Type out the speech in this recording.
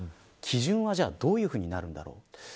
基準はどういうふうになるんだろう。